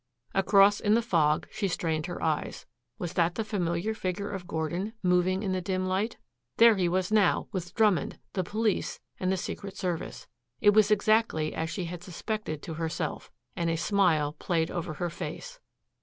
Across in the fog she strained her eyes. Was that the familiar figure of Gordon moving in the dim light? There he was, now, with Drummond, the police, and the Secret Service. It was exactly as she had suspected to herself, and a smile played over her face.